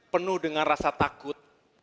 penuh dengan rasa takut